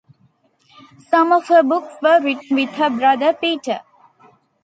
Some of her books were written with her brother Peter.